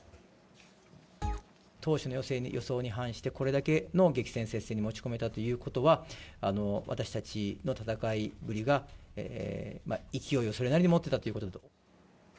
当初の予想に反して、これだけの激戦、接戦に持ち込めたということは、私たちの戦いぶりが、勢いをそれなりに持っていたということだと。